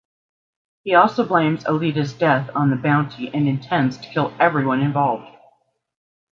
He also blames Elita's death on the bounty and intends to kill everyone involved.